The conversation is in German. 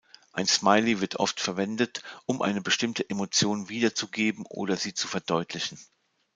Ein Smiley wird oft verwendet, um eine bestimmte Emotion wiederzugeben oder sie zu verdeutlichen.